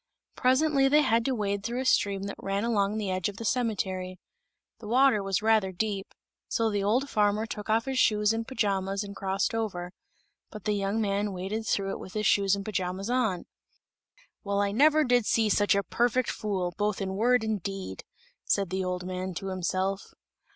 Presently they had to wade through a stream that ran along the edge of the cemetery. The water was rather deep, so the old farmer took off his shoes and pajamas and crossed over; but the young man waded through it with his shoes and pajamas on. "Well! I never did see such a perfect fool, both in word and in deed," said the old man to himself.